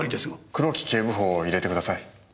黒木警部補を入れてください。